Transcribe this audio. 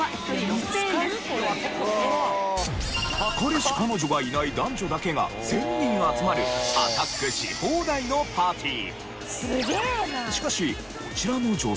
彼氏彼女がいない男女だけが１０００人集まるアタックし放題のパーティー。